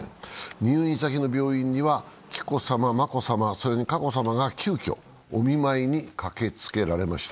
入院先の病院には紀子さま、眞子さま、佳子さまが急きょお見舞いに駆けつけられました。